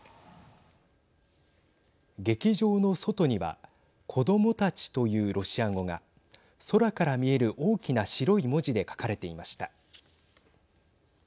劇場の外には子どもたちというロシア語が空から見える大きな白い文字で書かれていました。